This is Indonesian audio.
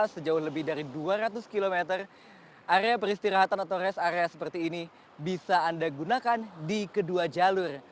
sejauh lebih dari dua ratus km area peristirahatan atau rest area seperti ini bisa anda gunakan di kedua jalur